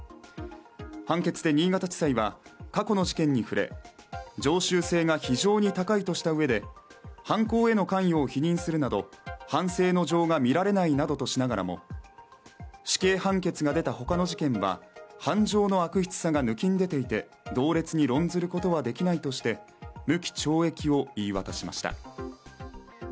判決で新潟地裁は過去の事件に触れ、常習性が非常に高いとしたうえで犯行への関与を否認するなど反省の情が見られないなどとしながらも、死刑判決が出たほかの事件は、犯情の悪質さが抜きん出ていて同列に論ずることはできないとして無期懲役を言い渡しました。